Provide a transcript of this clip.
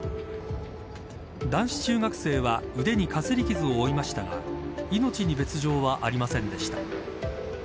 男子中学生は腕にかすり傷を負いましたが命に別条はありませんでした。